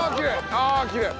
あっきれい。